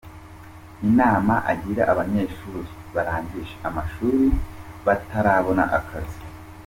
Inama agira abanyeshuri barangije amashuri batarabona akazi.